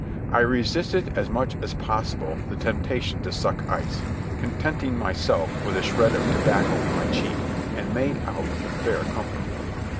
I resisted as much as possible the temptation to suck ice, contenting myself with a shred of tobacco in my cheek, and made out with fair comfort.